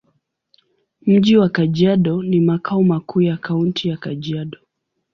Mji wa Kajiado ni makao makuu ya Kaunti ya Kajiado.